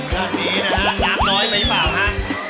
รอบนี้นะฮะน้ำน้อยไปหรือเปล่าฮะ